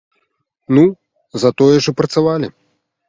Ну, затое ж і працавалі!